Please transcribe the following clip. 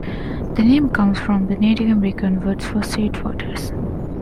The name comes from the Native American word for sweet waters.